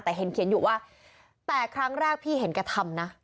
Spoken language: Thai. แต่เห็นเขียนอยู่ว่าแต่ครั้งแรกพี่เห็นแกทำนะ